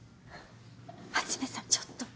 一さんちょっと。